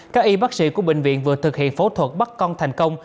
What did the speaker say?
các y bác sĩ của bệnh viện vừa thực hiện phẫu thuật bắt con thành công